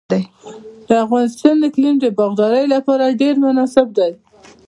د افغانستان اقلیم د باغدارۍ لپاره ډیر مناسب دی.